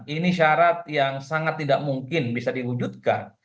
ini syarat yang sangat tidak mungkin bisa diwujudkan